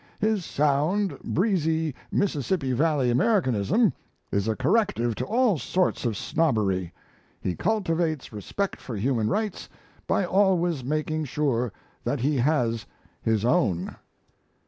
His sound, breezy Mississippi Valley Americanism is a corrective to all sorts of snobbery. He cultivates respect for human rights by always making sure that he has his own.